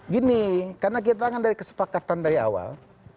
gini karena kita kan dari kesepakatan dari awal